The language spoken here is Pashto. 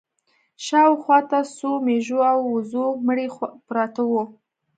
شا و خوا ته د څو مېږو او وزو مړي پراته وو.